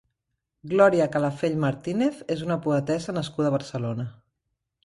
Glòria Calafell Martínez és una poetessa nascuda a Barcelona.